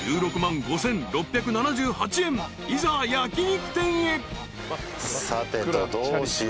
［いざ焼き肉店へ］